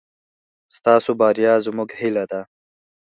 ستاسو بريا زموږ هيله ده.